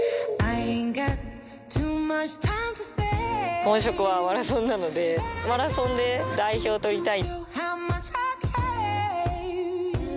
本職はマラソンなのでマラソンで代表取りたい。